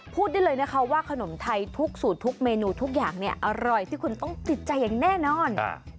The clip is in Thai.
พูดได้เลยนะคะว่าขนมไทยทุกสูตรทุกเมนูทุกอย่างเนี่ยอร่อยที่คุณต้องติดใจอย่างแน่นอน